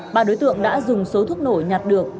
ba đối tượng đã dùng số thuốc nổ nhặt được